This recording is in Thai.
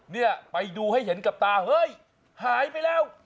เนี่ยไปดูให้เห็นกับตาเฮ้ยหายไปแล้ว